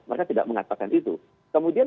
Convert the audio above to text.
mereka tidak mengatakan itu kemudian